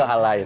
itu hal lain